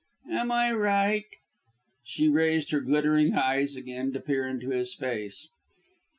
Am I right?" She raised her glittering eyes again to peer into his face.